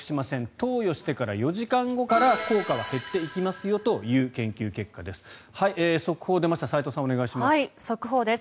投与してから４時間後から効果は減っていきますよという研究結果です。